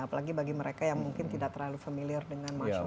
apalagi bagi mereka yang mungkin tidak terlalu familiar dengan masyarakat